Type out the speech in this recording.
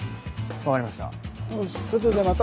わかりました。